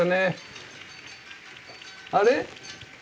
あれ？